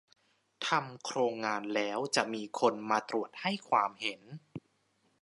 ทำโครงงานแล้วจะมีคนมาตรวจให้ความเห็น